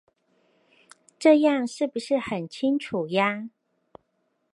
這樣是不是很清楚呀？